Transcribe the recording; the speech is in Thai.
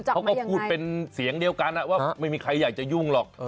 เขาก็พูดเป็นเสียงเดียวกันว่าไม่มีใครอยากจะยุ่งหรอก